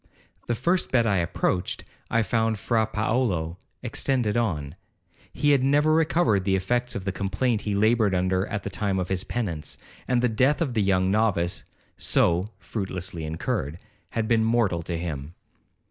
The first bed I approached, I found Fra Paolo extended on. He had never recovered the effects of the complaint he laboured under at the time of his penance; and the death of the young novice so (fruitlessly incurred) had been mortal to him.